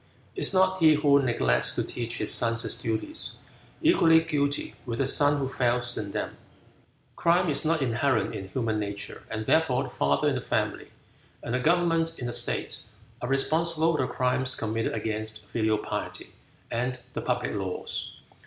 Is not he who neglects to teach his son his duties, equally guilty with the son who fails in them? Crime is not inherent in human nature, and therefore the father in the family, and the government in the state, are responsible for the crimes committed against filial piety and the public laws.